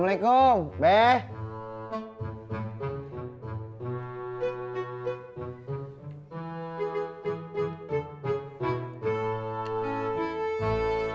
waalaikumsalam mbak be